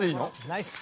ナイス！